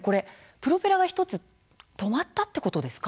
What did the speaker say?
プロペラが１つ止まったということですか？